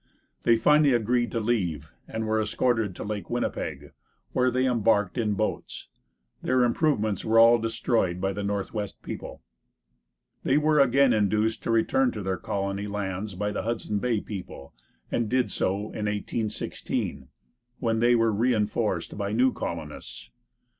They finally agreed to leave, and were escorted to Lake Winnipeg, where they embarked in boats. Their improvements were all destroyed by the Northwest people. They were again induced to return to their colony lands by the Hudson Bay people, and did so in 1816, when they were reinforced by new colonists.